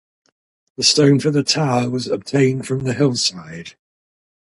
The stone for the tower was obtained from the hillside.